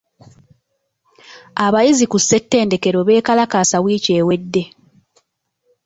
Abayizi ku ssettendekero beekalakaasa wiiki ewedde.